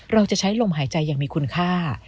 เราจะใช้ลมหายใจอย่างมีคุณค่า